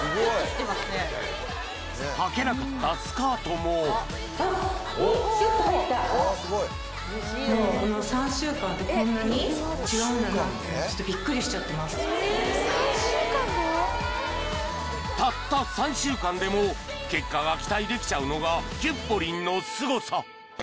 はけなかったスカートもあったった３週間でも結果が期待できちゃうのがキュッポリンのすごさ